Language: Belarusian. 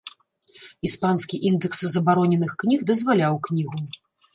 Іспанскі індэкс забароненых кніг дазваляў кнігу.